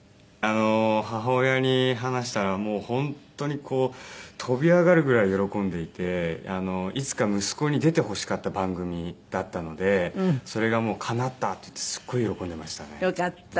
母親に話したら本当に跳び上がるぐらい喜んでいていつか息子に出てほしかった番組だったのでそれがかなったっていってすごい喜んでいましたね。よかった。